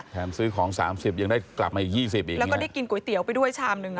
แถมซื้อของ๓๐ยังได้กลับมาอีก๒๐อย่างนี้แล้วก็ได้กินก๋วยเตี๋ยวไปด้วยชามนึง